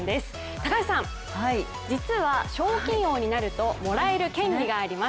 高橋さん、実は賞金王になるともらえる権利があります。